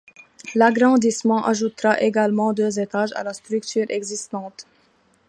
L’agrandissement ajoutera également deux étages à la structure existante.